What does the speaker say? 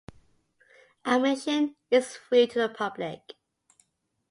Admission is free to the public.